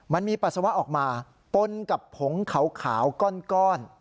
ปัสสาวะออกมาปนกับผงขาวก้อน